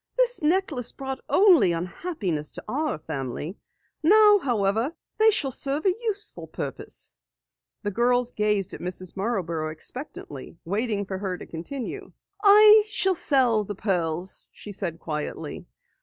"This necklace brought only unhappiness to our family. Now, however, they shall serve a useful purpose!" The girls gazed at Mrs. Marborough expectantly, waiting for her to continue: "I shall sell the pearls," she said quietly.